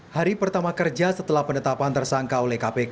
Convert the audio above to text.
hari pertama kerja setelah penetapan tersangka oleh kpk